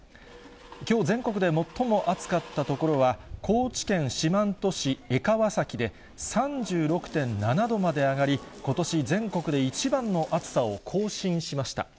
きょう、全国で最も暑かった所は、高知県四万十市江川崎で３６．７度まで上がり、ことし全国で一番の暑さを更新しました。